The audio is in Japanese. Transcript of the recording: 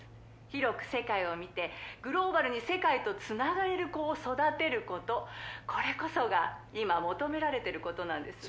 「広く世界を見てグローバルに世界と繋がれる子を育てる事これこそが今求められている事なんです」